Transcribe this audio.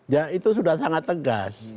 ya itu sudah sangat tegas